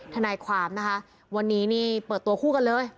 ทนายความนะคะวันนี้นี่เปิดตัวคู่กันเลย